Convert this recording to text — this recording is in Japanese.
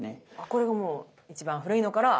これがもう一番古いのから。